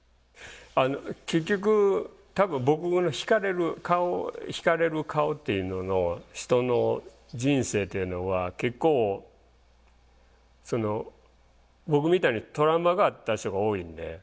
結局多分僕の惹かれる顔惹かれる顔っていうのの人の人生っていうのは結構その僕みたいにトラウマがあった人が多いんで。